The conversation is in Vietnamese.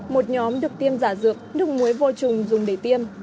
một nhóm được tiêm giả dược nước muối vô trùng dùng để tiêm